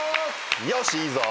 よしいいぞ。